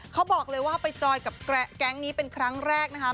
เขาบอกเลยว่าไปจอยกับแก๊งนี้เป็นครั้งแรกนะคะ